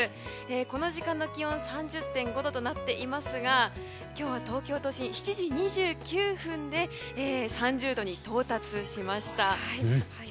この時間の気温３０．５度となっていますが今日は東京都心７時２９分で３０度に到達しました。